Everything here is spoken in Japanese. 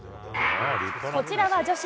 こちらは女子。